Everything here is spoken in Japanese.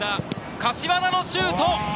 柏田のシュート！